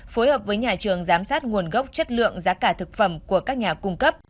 phối hợp với nhà trường giám sát nguồn gốc chất lượng giá cả thực phẩm của các nhà cung cấp